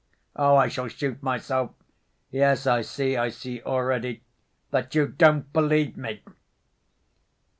Oh, I shall shoot myself! Yes, I see, I see already that you don't believe me.